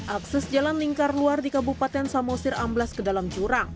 akses jalan lingkar luar di kabupaten samosir amblas ke dalam jurang